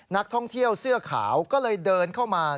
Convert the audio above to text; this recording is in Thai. นักท่องเที่ยวเสื้อขาวก็เลยเดินเข้ามา